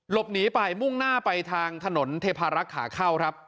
หลบหนีไปมุ่งหน้าไปทางถนนเทพารักษ์ขาเข้าครับ